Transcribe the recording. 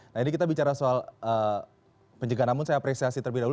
nah ini kita bicara soal pencegahan namun saya apresiasi terlebih dahulu